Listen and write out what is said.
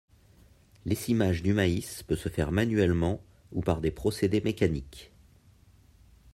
L'écimage du maïs peut se faire manuellement ou par des procédés mécaniques.